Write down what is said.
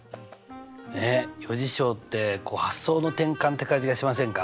ねっ余事象ってこう発想の転換って感じがしませんか？